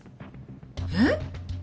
えっ？